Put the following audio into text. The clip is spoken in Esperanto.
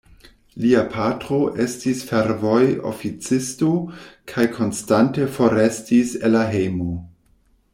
Lia patro estis fervoj-oficisto kaj konstante forestis el la hejmo.